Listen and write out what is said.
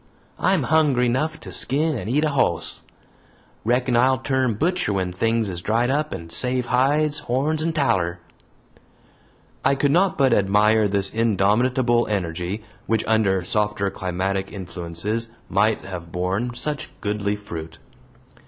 I'm hungry 'nough to skin and eat a hoss. Reckon I'll turn butcher when things is dried up, and save hides, horns, and taller." I could not but admire this indomitable energy, which under softer climatic influences might have borne such goodly fruit.